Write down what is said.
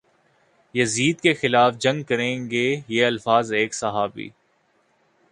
یزید کے خلاف جنگ کریں گے یہ الفاظ ایک صحابی